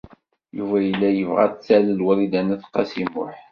Yuba yella yebɣa ad t-talel Wrida n At Qasi Muḥ.